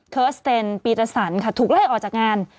เคิสเตนปีเตศัลค่ะถูกไล่ออกจากงาน